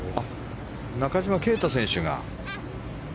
中島啓太選手が。